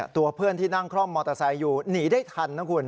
ตัวเพื่อนที่นั่งคล่อมมอเตอร์ไซค์อยู่หนีได้ทันนะคุณ